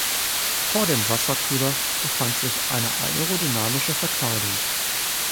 Vor dem Wasserkühler befand sich eine aerodynamische Verkleidung.